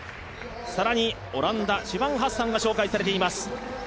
更にオランダ、シファン・ハッサンが紹介されています。